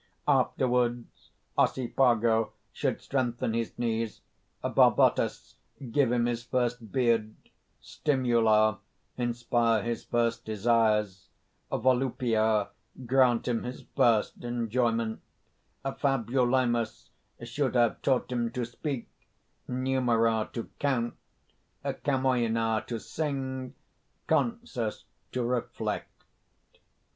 "Afterwards, Ossipago should strengthen his knees; Barbatus give him his first beard; Stimula inspire his first desires; Volupia grant him his first enjoyment; Fabulimus should have taught him to speak, Numera to count, Cam[oe]na to sing, Consus to reflect."